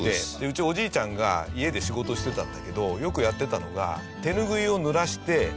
うちおじいちゃんが家で仕事してたんだけどよくやってたのが手ぬぐいを濡らして。